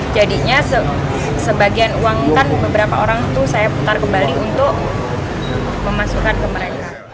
jadinya sebagian uang kan beberapa orang itu saya putar kembali untuk memasukkan ke mereka